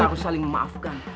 kita harus saling memaafkan